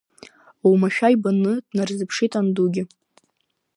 Омашәа ибаны днарзыԥшит андугьы.